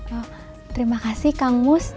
oh terima kasih kang gus